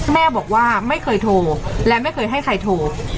แม่บอกว่าไม่เคยโทรและไม่เคยให้ใครโทร